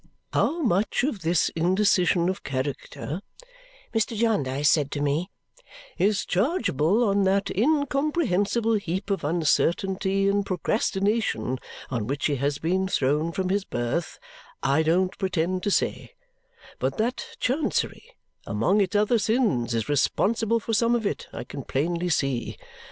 "How much of this indecision of character," Mr. Jarndyce said to me, "is chargeable on that incomprehensible heap of uncertainty and procrastination on which he has been thrown from his birth, I don't pretend to say; but that Chancery, among its other sins, is responsible for some of it, I can plainly see.